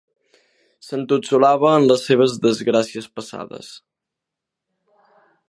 S'entotsolava en les seves desgràcies passades.